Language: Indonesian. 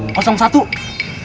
gak bawa buku